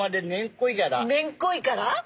めんこいから？